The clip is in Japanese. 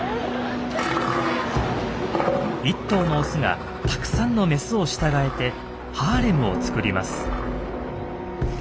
１頭のオスがたくさんのメスを従えてハーレムを作ります。